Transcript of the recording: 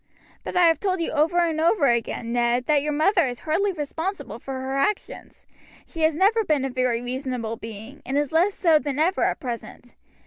"But I have told you over and over again, Ned, that your mother is hardly responsible for her actions. She has never been a very reasonable being, and is less so than ever at present.